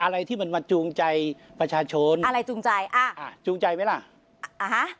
อะไรที่มันมาจูงใจประชาชนอะไรจูงใจอ่าอ่าจูงใจไหมล่ะอ่าฮะ